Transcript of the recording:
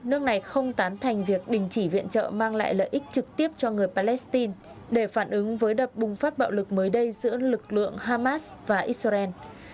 nước này không tán thành việc đình chỉ viện trợ mang lại lợi ích trực tiếp cho người palestine để phản ứng với đập bùng phát bạo lực mới đây giữa lực lượng hamas và israel